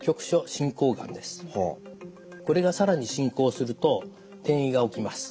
これが更に進行すると転移が起きます。